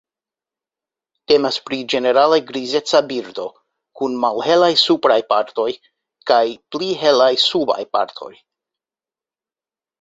Temas pri ĝenerale grizeca birdo kun malhelaj supraj partoj kaj pli helaj subaj partoj.